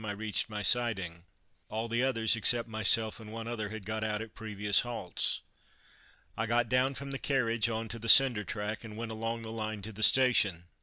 I reached my siding. All the others, except myself and one other, had got out at previous halts. I got down from the carriage on to the cinder track, and went along the line to the station.